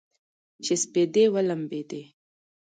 چې سپېدې ولمبیدې